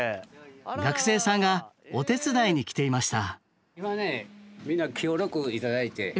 学生さんがお手伝いに来ていました。